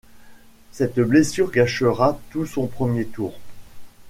Cette blessure gâchera tout son premier tour.